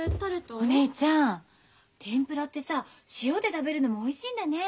お姉ちゃん天ぷらってさ塩で食べるのもおいしいんだね。